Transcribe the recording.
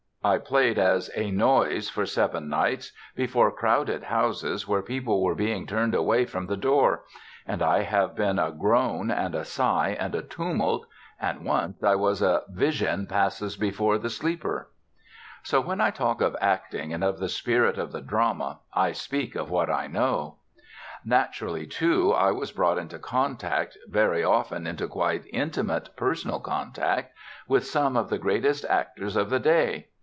I played as A Noise for seven nights, before crowded houses where people were being turned away from the door; and I have been a Groan and a Sigh and a Tumult, and once I was a "Vision Passes Before the Sleeper." So when I talk of acting and of the spirit of the Drama, I speak of what I know. Naturally, too, I was brought into contact, very often into quite intimate personal contact, with some of the greatest actors of the day.